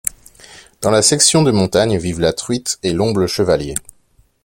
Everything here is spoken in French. Dans la section de montagne vivent la truite et l'omble chevalier.